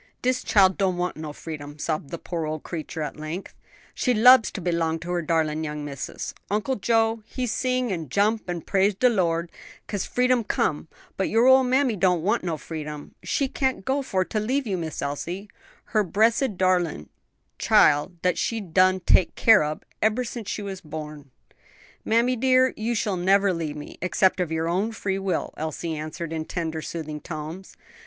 "Dis chile don't want no freedom," sobbed the poor old creature at length, "she lubs to b'long to her darlin' young missis: Uncle Joe he sing an' jump an' praise de Lord, 'cause freedom come, but your ole mammy don't want no freedom; she can't go for to leave you, Miss Elsie, her bressed darlin' chile dat she been done take care ob ever since she born." "Mammy dear, you shall never leave me except of your own free will," Elsie answered, in tender soothing tones.